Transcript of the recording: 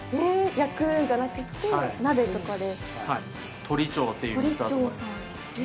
焼くんじゃなくて、鍋とかで。